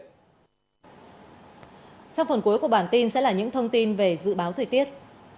trong phần cuối của bản tin sẽ là những thông tin về dự báo thời tiết